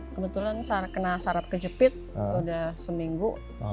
kebetulan kena syarab kejepit sudah seminggu